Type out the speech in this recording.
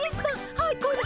はいこれ。